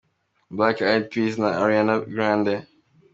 Black Eyed Peas na Ariana Grande.